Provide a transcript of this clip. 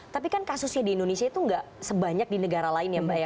tapi kan kasusnya di indonesia itu nggak sebanyak di negara lain ya mbak ya